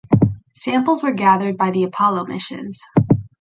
Samples were gathered by the Apollo missions.